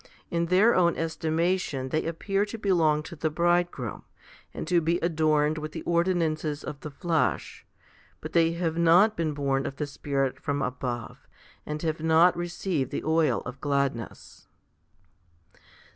In their own estimation they appear to belong to the Bridegroom, and to be adorned with the ordinances of the flesh ; but they have not been born of the Spirit from above, and have not received the oil of gladness.